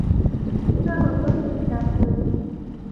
เพื่อลดต้นทุนการผลิต